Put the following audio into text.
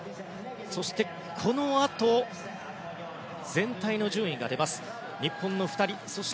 そして、このあと全体の順位が出ます。